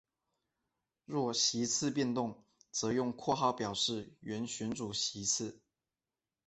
若席次变动则用括号表示原选举席次。